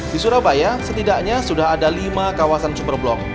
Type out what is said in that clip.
di surabaya setidaknya sudah ada lima kawasan super blok